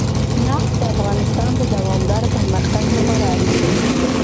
نفت د افغانستان د دوامداره پرمختګ لپاره اړین دي.